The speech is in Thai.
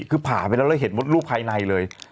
ส่งผ่าไปเห็นมดรูปภายในเลย